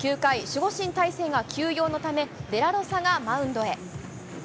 守護神、大勢が休養のため、デラロサがマウンドへ。